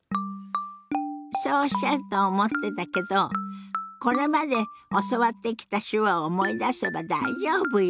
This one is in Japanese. そうおっしゃると思ってたけどこれまで教わってきた手話を思い出せば大丈夫よ！